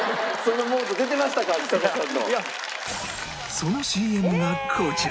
その ＣＭ がこちら